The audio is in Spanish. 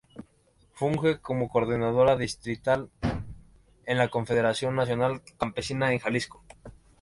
Funge como Coordinadora Distrital de la Confederación Nacional Campesina en Jalisco.